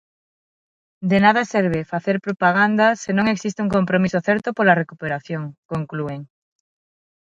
"De nada serve facer propaganda se non existe un compromiso certo pola recuperación", conclúen.